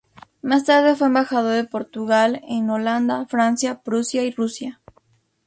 Más tarde fue embajador de Portugal en Holanda, Francia, Prusia y Rusia.